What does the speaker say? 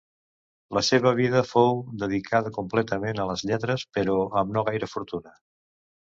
La seva vida fou dedicada completament a les lletres, però amb no gaire fortuna.